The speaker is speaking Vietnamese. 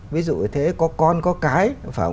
ví dụ như thế có con có cái